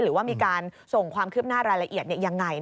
หรือว่ามีการส่งความคืบหน้ารายละเอียดยังไง